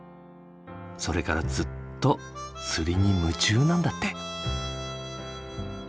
それからずっと釣りに夢中なんだって。